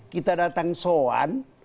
kita datang soan